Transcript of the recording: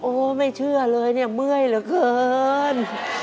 โอ้โหไม่เชื่อเลยเนี่ยเมื่อยเหลือเกิน